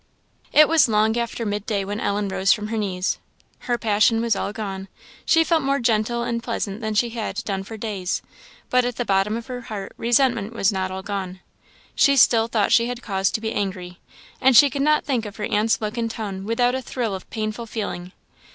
It was long after mid day when Ellen rose from her knees. Her passion was all gone; she felt more gentle and pleasant than she had done for days; but at the bottom of her heart resentment was not all gone. She still thought she had cause to be angry, and she could not think of her aunt's look and tone without a thrill of painful feeling.